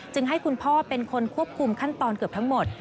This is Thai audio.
ให้คุณพ่อเป็นคนควบคุมขั้นตอนเกือบทั้งหมด